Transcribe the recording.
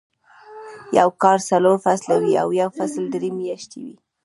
يو کال څلور فصله وي او يو فصل درې میاشتې وي.